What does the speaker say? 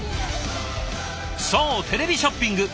そうテレビショッピング！